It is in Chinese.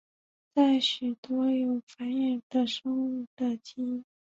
在许多有性繁殖的生物的基因。